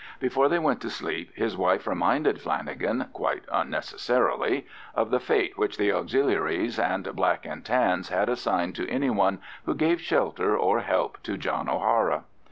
Before they went to sleep his wife reminded Flanagan—quite unnecessarily—of the fate which the Auxiliaries and "Black and Tans" had assigned to any one who gave shelter or help to John O'Hara.